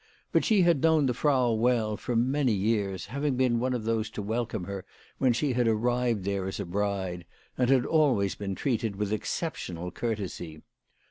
But she had known the Frau well for many years, having been one of those to welcome her when she had arrived there as a bride, and had always been treated with exceptional courtesy.